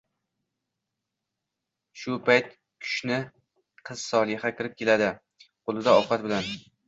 Shu payt kushni kiz Solixa kirib keladi. Kulida ovkat bilan.